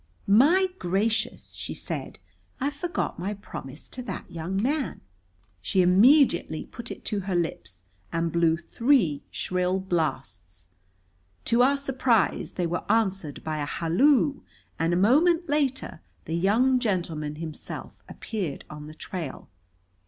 "My gracious!" she said. "I forgot my promise to that young man!" She immediately put it to her lips and blew three shrill blasts. To our surprise they were answered by a halloo, and a moment later the young gentleman himself appeared on the trail.